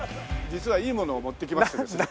実はいいものを持ってきましてですね。